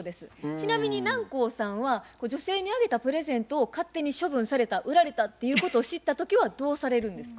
ちなみに南光さんは女性にあげたプレゼントを勝手に処分された売られたっていうことを知った時はどうされるんですか？